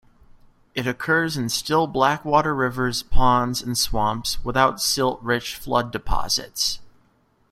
It occurs in still blackwater rivers, ponds and swamps without silt-rich flood deposits.